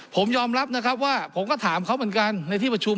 ผมยอมรับนะครับว่าผมก็ถามเขาเหมือนกันในที่ประชุม